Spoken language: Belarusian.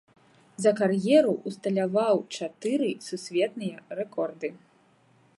За кар'еру усталяваў чатыры сусветныя рэкорды.